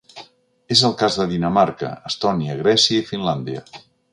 És el cas de Dinamarca, Estònia, Grècia i Finlàndia.